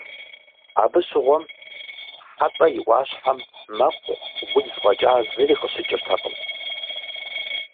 Абы щыгъуэм Хьэтӏэ и ӏуащхьэм мэкъу, удз фӏэкӏа зыри къыщыкӏыртэкъым.